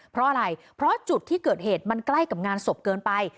เพราะอะไรเพราะจุดที่เกิดเหตุมันใกล้กับงานศพเกินไป